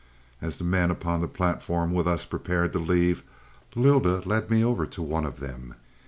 As the men upon the platform with us prepared to leave, Lylda led me over to one of them.